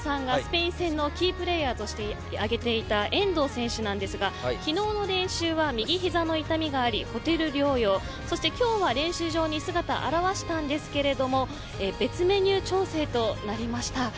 大久保さんがスペイン戦のキープレーヤーとして挙げていた遠藤選手なんですが昨日の練習は右膝の痛みがありホテル療養、そして今日は練習場に姿を現したんですけれども別メニュー調整となりました。